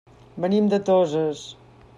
Venim de Toses.